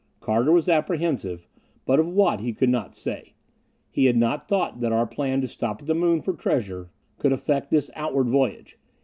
Carter was apprehensive, but of what he could not say. He had not thought that our plan to stop at the Moon for treasure could affect this outward voyage.